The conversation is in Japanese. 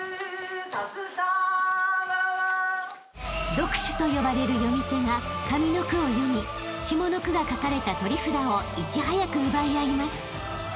［読手と呼ばれる読み手が上の句を読み下の句が書かれた取り札をいち早く奪い合います］